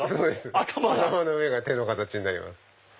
頭の上が手の形になります。